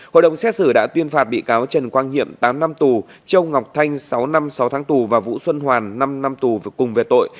hội đồng xét xử đã tuyên phạt bị cáo trần quang hiệm tám năm tù châu ngọc thanh sáu năm sáu tháng tù và vũ xuân hoàn năm năm tù cùng về tội